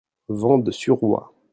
Vent de suroît.